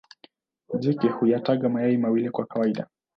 Jike huyataga mayai mawili kwa kawaida.